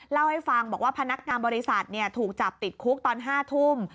เล่าให้ฟังบอกว่าพนักงานบริษัทถูกจับติดคุกตอน๕ทุ่ม